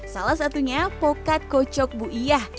salah satunya pokat kocok buiyah